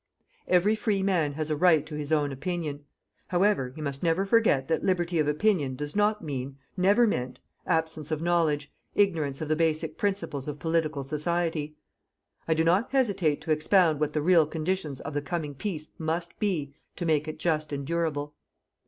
Every free man has a right to his own opinion. However, he must never forget that Liberty of opinion does not mean never meant absence of knowledge, ignorance of the basic principles of political society. I do not hesitate to expound what the real conditions of the coming peace MUST BE to make it JUST AND DURABLE.